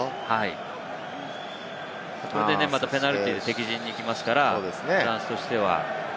これでまたペナルティーで敵陣に行きますから、フランスとしては。